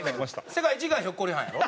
世界１位がひょっこりはんやろ？